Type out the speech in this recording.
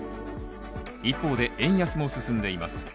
一方で、円安も進んでいます。